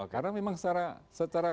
karena memang secara